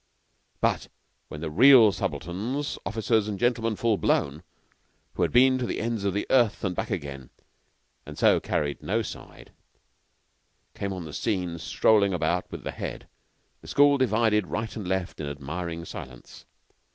But when the real subalterns, officers and gentlemen full blown who had been to the ends of the earth and back again and so carried no side came on the scene strolling about with the Head, the school divided right and left in admiring silence.